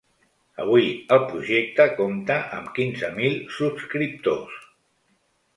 Avui el projecte compta amb quinze mil subscriptors.